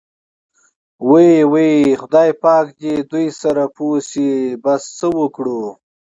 وۍ وۍ خدای پاک دې دوی سره پوه شي، بس څه وکړو.